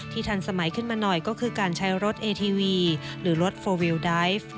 ทันสมัยขึ้นมาหน่อยก็คือการใช้รถเอทีวีหรือรถโฟวิลไดฟ์